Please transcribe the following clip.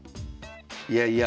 いやいや。